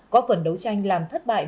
có phần đấu tranh làm thất bại